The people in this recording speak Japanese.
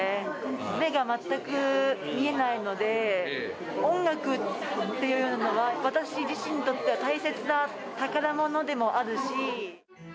目が全く見えないので、音楽っていうのは、私自身にとっては大切な宝物でもあるし。